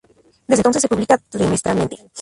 Desde entonces, se publica trimestralmente.